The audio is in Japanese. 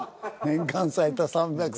「年間最多３３７」。